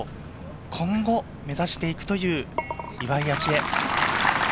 今後目指していくという岩井明愛。